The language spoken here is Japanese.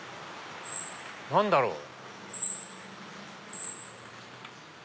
何だろう？